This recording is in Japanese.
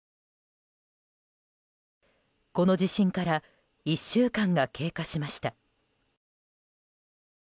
この地震から１週間が経過しました。